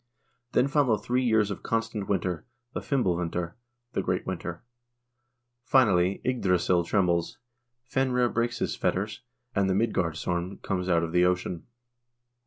Then follow three years of constant winter, the Fimbulwinter (the great winter). Finally Yggdrasil trembles, Fenre breaks his fetters, and the Midgardsorm comes out of the ocean.